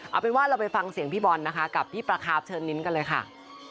เอาเป็นว่าเราไปฟังเสียงพี่บอลนะคะกับพี่ประคาบเชิญมิ้นกันเลยค่ะ